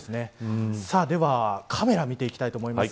では、カメラを見ていきたいと思います。